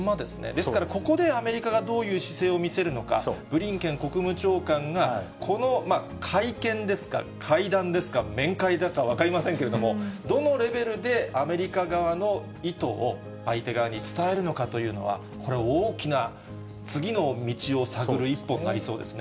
ですから、ここでアメリカがどういう姿勢を見せるのか、ブリンケン国務長官がこの会見ですか、会談ですか、面会だか分かりませんけれども、どのレベルでアメリカ側の意図を相手側に伝えるのかというのは、これ、大きな、次の道を探る一歩になりそうですね。